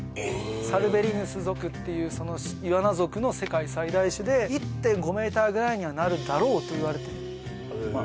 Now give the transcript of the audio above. サルベリヌス属っていうそのイワナ属の世界最大種で１．５ｍぐらいにはなるだろうといわれてまあ